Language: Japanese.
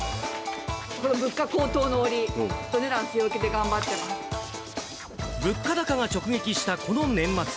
この物価高騰の折、お値段据物価高が直撃したこの年末。